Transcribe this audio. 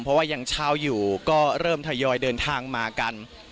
เพราะว่ายังเช้าอยู่ก็เริ่มทยอยเดินทางมากัน